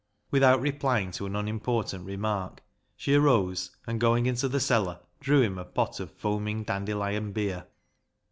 Without replying to an unimportant remark, she arose, and going into the cellar, drew him a pot of foaming dandelion beer.